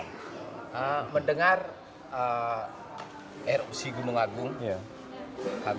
sebenarnya apa bentuk atau visi kemanusiaan mereka